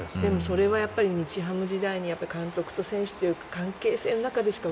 それは日ハム時代の監督と選手という関係性の中でしか